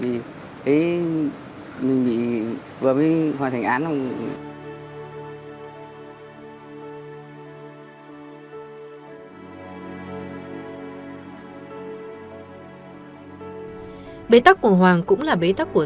khi tất cả các người đã bị bế tắc hoàng cũng sẽ phải ngồi ngồi ngồi là nhắn như vậy